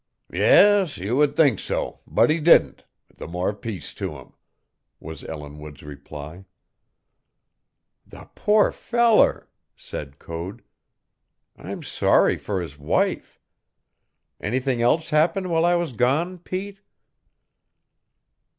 "Yas, you would think so; but he didn't, the more peace to him," was Ellinwood's reply. "The poor feller!" said Code. "I'm sorry for his wife. Anything else happen while I was gone, Pete?"